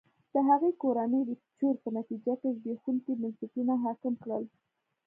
د هغه کورنۍ د چور په نتیجه کې زبېښونکي بنسټونه حاکم کړل.